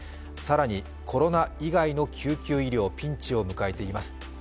更にコロナ以外の救急医療ピンチを迎えています。